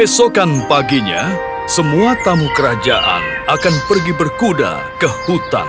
esokan paginya semua tamu kerajaan akan pergi berkuda ke hutan